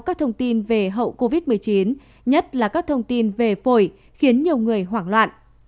các thông tin về hậu covid một mươi chín nhất là các thông tin về phổi khiến nhiều người hoảng loạn